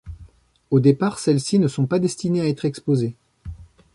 Au départ celles-ci ne sont pas destinées à être exposées.